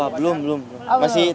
belum belum masih tc kan